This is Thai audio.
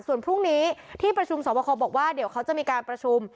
ส่วนพรุ่งนี้ที่ประชุมสอบคอบอกว่าเดี๋ยวเขาจะมีการประชุม